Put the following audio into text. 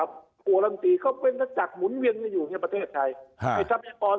กลัวรังตีก็เป็นอาจจะมุนเวียงให้อยู่ในประเทศไทย